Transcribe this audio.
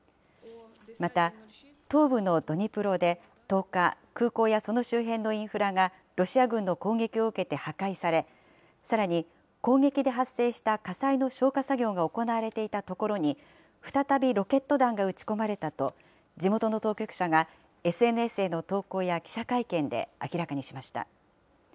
また、東部のドニプロで１０日、空港やその周辺のインフラがロシア軍の攻撃を受けて破壊され、さらに、攻撃で発生した火災の消火作業が行われていたところに、再びロケット弾が撃ち込まれたと、地元の当局者が、ＳＮＳへの投稿や記者会見で明らかにしました。